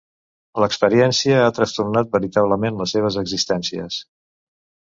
L'experiència ha trastornat veritablement les seves existències.